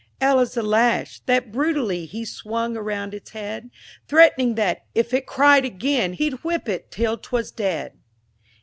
L is the Lash, that brutally He swung around its head, Threatening that "if it cried again, He'd whip it till 'twas dead."